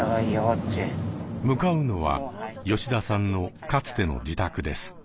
向かうのは吉田さんのかつての自宅です。